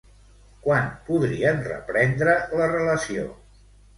Quan podrien reprendre la relació?